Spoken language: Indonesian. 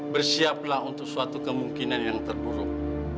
bersiaplah untuk suatu kemungkinan yang terburuk